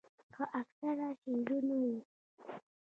پۀ اکثره شعرونو ئې